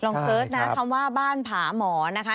เสิร์ชนะคำว่าบ้านผาหมอนะคะ